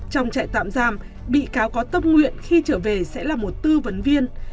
trong trại tạm giam bị cáo có tâm nguyện khi trở về sẽ là một tư vấn viên